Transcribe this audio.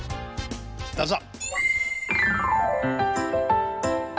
どうぞ。